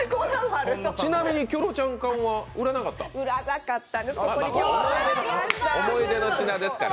ちなみにキョロちゃん缶は売らなかったんですか？